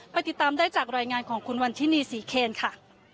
ติดตามได้จากรายงานของคุณวันทินีศรีเคนค่ะ